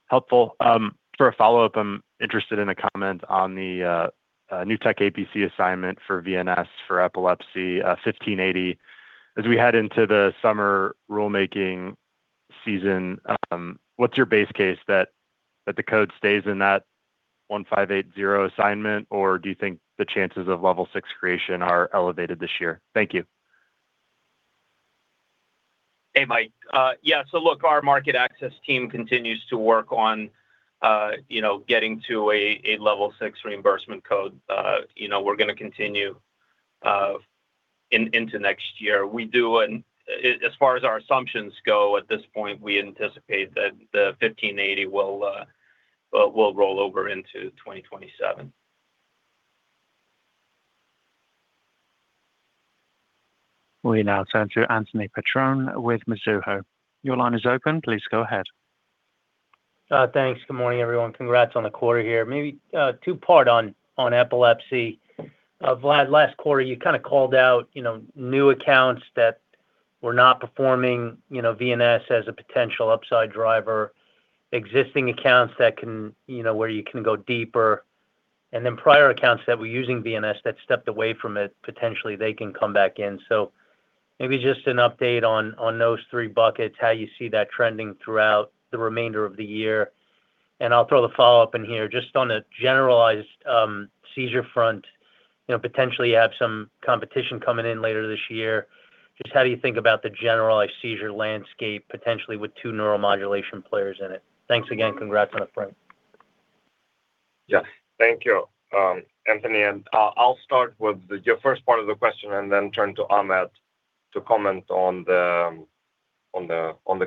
Helpful. For a follow-up, I'm interested in a comment on the new tech APC assignment for VNS for epilepsy, 1580. As we head into the summer rulemaking season, what's your base case that the code stays in that 1580 assignment, or do you think the chances of level six creation are elevated this year? Thank you. Hey, Mike. Yeah. Look, our market access team continues to work on, you know, getting to a level six reimbursement code. You know, we're gonna continue into next year. As far as our assumptions go at this point, we anticipate that the 1580 will roll over into 2027. We now turn to Anthony Petrone with Mizuho. Your line is open. Please go ahead. Thanks. Good morning, everyone. Congrats on the quarter here. Two part on epilepsy. Vlad, last quarter, you kinda called out, you know, new accounts that were not performing, you know, VNS as a potential upside driver, existing accounts that can, you know, where you can go deeper. Prior accounts that were using VNS that stepped away from it, potentially they can come back in. Maybe just an update on those three buckets, how you see that trending throughout the remainder of the year. I'll throw the follow-up in here. Just on a generalized seizure front, you know, potentially you have some competition coming in later this year. Just how do you think about the generalized seizure landscape, potentially with two neuromodulation players in it? Thanks again. Congrats on the front. Thank you, Anthony. I'll start with your first part of the question, then turn to Ahmet Tezel to comment on the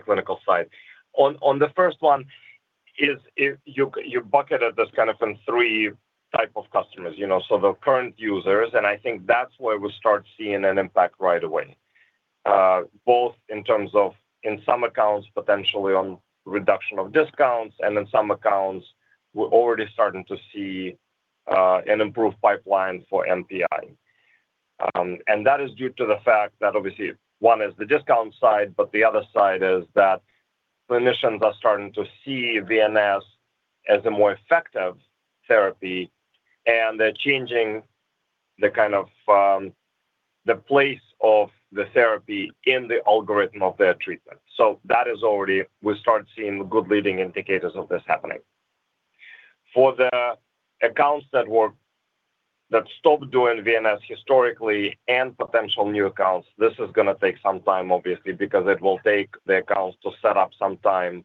clinical side. On the first one is you bucketed this kind of in three type of customers, you know. The current users, I think that's where we start seeing an impact right away, both in terms of in some accounts, potentially on reduction of discounts, in some accounts, we're already starting to see an improved pipeline for NPI. That is due to the fact that obviously one is the discount side, the other side is that clinicians are starting to see VNS as a more effective therapy, they're changing the kind of the place of the therapy in the algorithm of their treatment. We start seeing good leading indicators of this happening. For the accounts that stopped doing VNS historically and potential new accounts, this is gonna take some time, obviously, because it will take the accounts to set up some time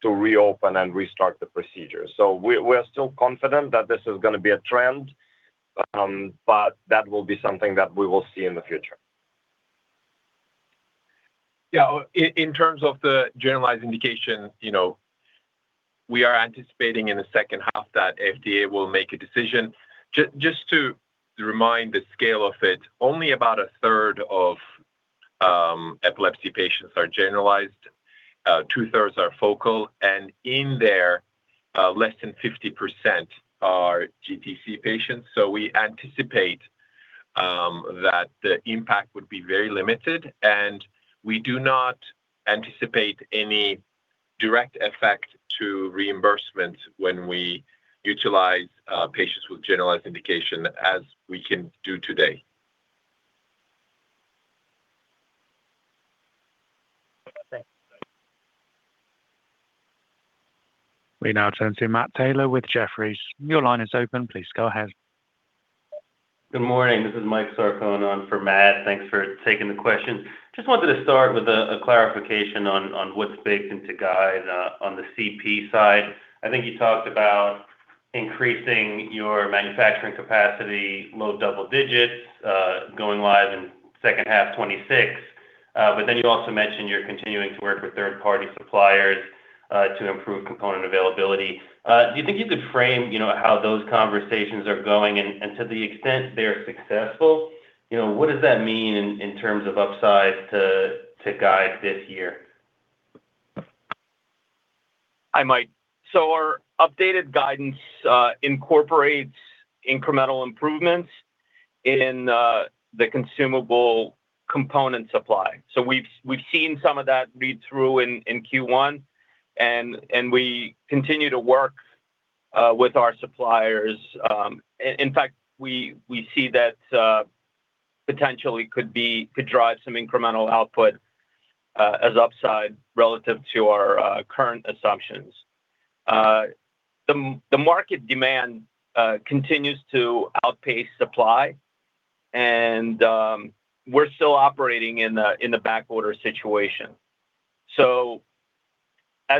to reopen and restart the procedure. We are still confident that this is gonna be a trend, but that will be something that we will see in the future. Yeah. In terms of the generalized indication, you know, we are anticipating in the second half that FDA will make a decision. Just to remind the scale of it, only about a third of epilepsy patients are generalized, 2/3 are focal. In there, less than 50% are GTC patients. We anticipate that the impact would be very limited, and we do not anticipate any direct effect to reimbursements when we utilize patients with generalized indication as we can do today. We now turn to Matt Taylor with Jefferies. Your line is open. Please go ahead. Good morning. This is Michael Sarcone on for Matt. Thanks for taking the question. Just wanted to start with a clarification on what's baked into guide, on the CP side. I think you talked about increasing your manufacturing capacity low double digits, going live in second half 2026. You also mentioned you're continuing to work with third-party suppliers, to improve component availability. Do you think you could frame, you know, how those conversations are going? To the extent they're successful, you know, what does that mean in terms of upside to guide this year? Hi, Mike. Our updated guidance incorporates incremental improvements in the consumable component supply. We've seen some of that read through in Q1, and we continue to work with our suppliers. In fact, we see that potentially could drive some incremental output as upside relative to our current assumptions. The market demand continues to outpace supply and we're still operating in the backorder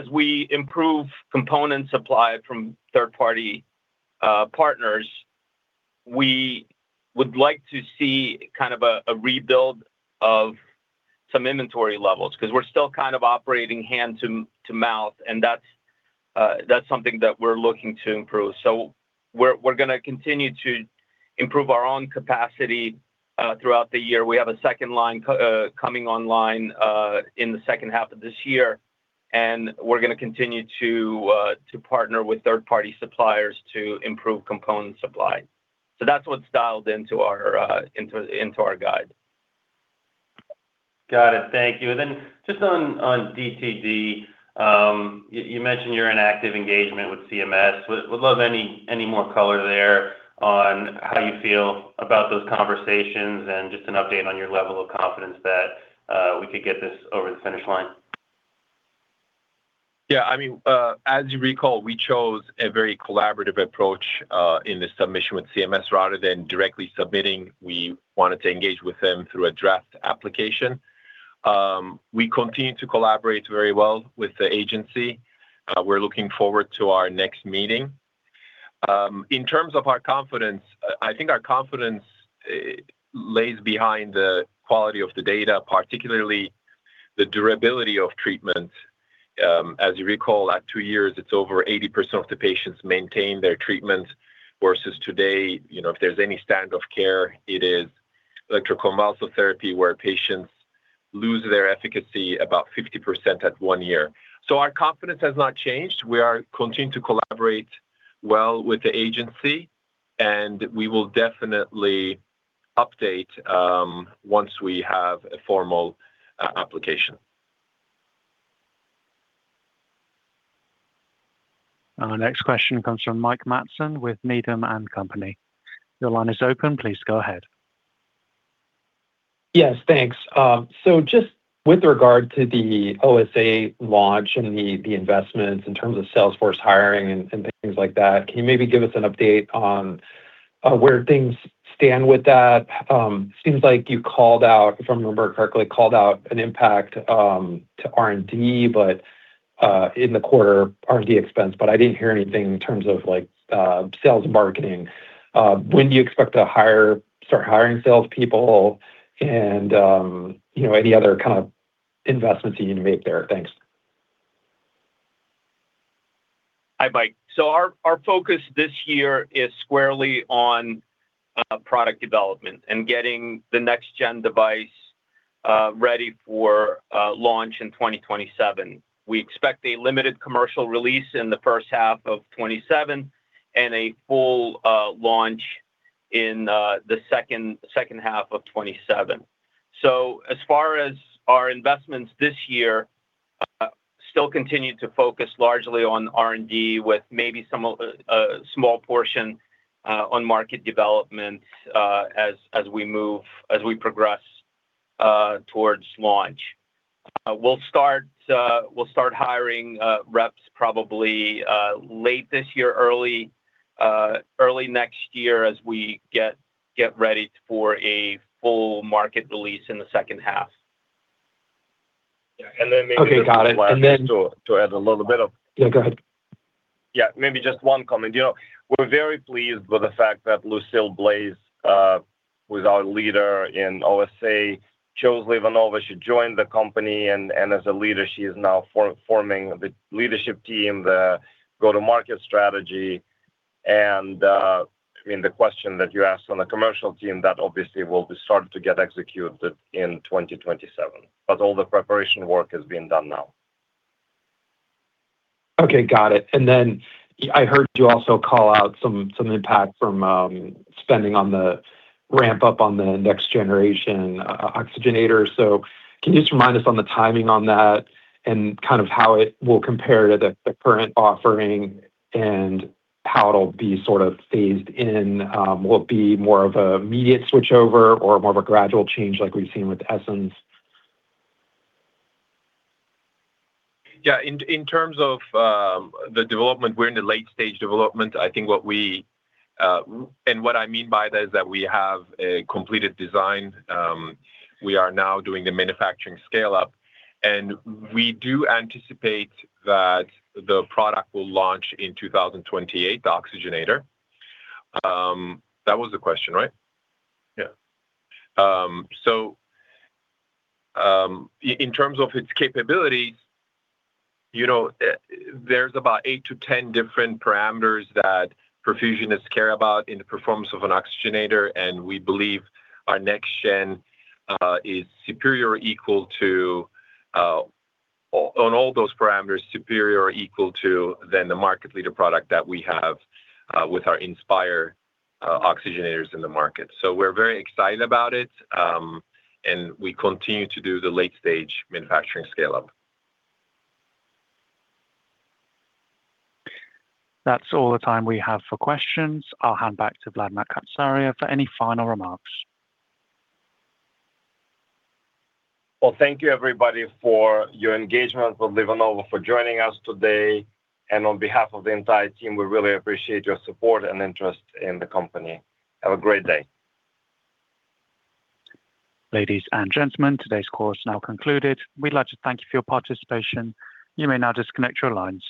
situation. As we improve component supply from third-party partners, we would like to see kind of a rebuild of some inventory levels 'cause we're still kind of operating hand to mouth, and that's something that we're looking to improve. We're gonna continue to improve our own capacity throughout the year. We have a second line coming online, in the second half of this year. We're gonna continue to partner with third-party suppliers to improve component supply. That's what's dialed into our guide. Got it. Thank you. Just on DTD, you mentioned you're in active engagement with CMS. Would love any more color there on how you feel about those conversations and just an update on your level of confidence that we could get this over the finish line. I mean, as you recall, we chose a very collaborative approach in the submission with CMS. Rather than directly submitting, we wanted to engage with them through a draft application. We continue to collaborate very well with the agency. We're looking forward to our next meeting. In terms of our confidence, I think our confidence lays behind the quality of the data, particularly the durability of treatment. As you recall, at two years, it's over 80% of the patients maintain their treatment versus today, you know, if there's any standard of care, it is electroconvulsive therapy, where patients lose their efficacy about 50% at one year. Our confidence has not changed. We are continuing to collaborate well with the agency, and we will definitely update once we have a formal application. Our next question comes from Mike Matson with Needham & Company. Your line is open. Please go ahead. Yes, thanks. Just with regard to the OSA launch and the investments in terms of sales force hiring and things like that, can you maybe give us an update on where things stand with that? Seems like you called out, if I remember correctly, called out an impact to R&D, but in the quarter R&D expense, but I didn't hear anything in terms of like sales and marketing. When do you expect to start hiring salespeople and, you know, any other kind of investments that you need to make there? Thanks. Hi, Mike. Our focus this year is squarely on product development and getting the next gen device ready for launch in 2027. We expect a limited commercial release in the first half of 2027 and a full launch in the second half of 2027. As far as our investments this year, still continue to focus largely on R&D with maybe some small portion on market development as we progress towards launch. We'll start hiring reps probably late this year, early next year as we get ready for a full market release in the second half. Yeah. Okay. Got it. Then. If I may just to add. Yeah, go ahead. Yeah, maybe just one comment. You know, we're very pleased with the fact that Lucile Blaise, who is our leader in OSA, chose LivaNova. She joined the company and as a leader, she is now forming the leadership team, the go-to-market strategy. I mean, the question that you asked on the commercial team, that obviously will be started to get executed in 2027. All the preparation work is being done now. Okay. Got it. I heard you also call out some impact from spending on the ramp-up on the next generation oxygenator. Can you just remind us on the timing on that and kind of how it will compare to the current offering and how it will be sort of phased in? Will it be more of an immediate switchover or more of a gradual change like we've seen with Essenz? Yeah. In terms of the development, we're in the late stage development. What I mean by that is that we have a completed design. We are now doing the manufacturing scale-up. We do anticipate that the product will launch in 2028, the oxygenator. That was the question, right? Yeah. In terms of its capabilities, you know, there's about eight to 10 different parameters that perfusionists care about in the performance of an oxygenator, and we believe our next gen is superior or equal to on all those parameters than the market leader product that we have with our Inspire oxygenators in the market. We're very excited about it, and we continue to do the late stage manufacturing scale-up. That's all the time we have for questions. I'll hand back to Vlad Makatsaria for any final remarks. Well, thank you everybody for your engagement with LivaNova, for joining us today. On behalf of the entire team, we really appreciate your support and interest in the company. Have a great day. Ladies and gentlemen, today's call is now concluded. We'd like to thank you for your participation. You may now disconnect your lines.